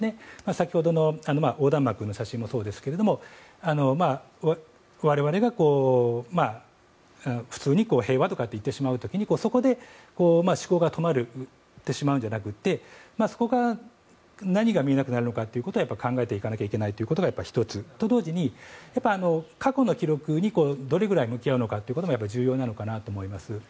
先ほどの横断幕の写真もそうですが我々が普通に平和とかって言ってしまう時に、そこで思考が止まってしまうんじゃなくてそこから何が見えなくなるのかということを考えなきゃいけないことが１つでと同時に、過去の記録にどれくらい向き合うかというのが重要なのかなと思います。